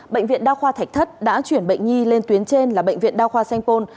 bệnh viện đa khoa thạch thất đã chuyển bệnh nhi lên tuyến trên là bệnh viện đa khoa sanh pôn